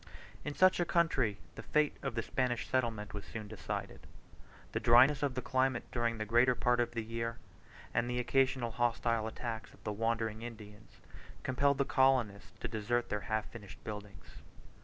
In such a country the fate of the Spanish settlement was soon decided; the dryness of the climate during the greater part of the year, and the occasional hostile attacks of the wandering Indians, compelled the colonists to desert their half finished buildings.